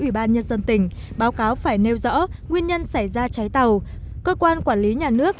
ủy ban nhân dân tỉnh báo cáo phải nêu rõ nguyên nhân xảy ra cháy tàu cơ quan quản lý nhà nước